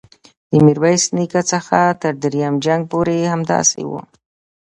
د میرویس نیکه څخه تر دریم جنګ پورې همداسې وه.